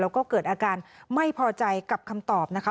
แล้วก็เกิดอาการไม่พอใจกับคำตอบนะคะ